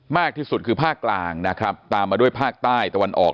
มากที่สุดคือภาคกลางนะครับตามมาด้วยภาคใต้ตะวันออก